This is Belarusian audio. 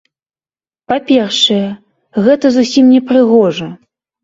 Па-першае, гэта зусім непрыгожа.